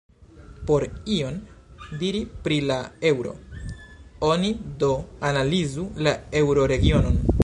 Por ion diri pri la eŭro, oni do analizu la eŭroregionon.